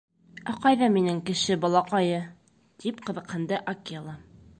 — Ә ҡайҙа минең кеше балаҡайы? — тип ҡыҙыҡһынды Акела.